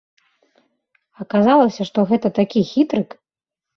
Аказалася, што гэта такі хітрык.